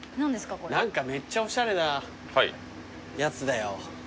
何かめっちゃおしゃれなやつだよ。